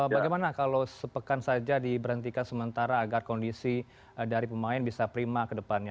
bagaimana kalau sepekan saja diberhentikan sementara agar kondisi dari pemain bisa prima ke depannya